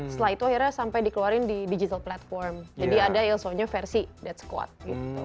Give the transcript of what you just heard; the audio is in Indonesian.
setelah itu akhirnya sampai dikeluarin di digital platform jadi ada il sogno versi dead squad gitu